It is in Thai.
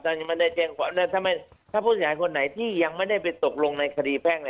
ถ้าผู้เสียหายคนไหนที่ยังไม่ได้ไปตกลงในคดีแพ่ง